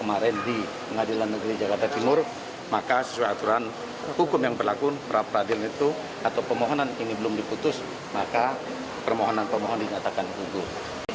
atau permohonan ini belum diputus maka permohonan permohonan dinyatakan gugur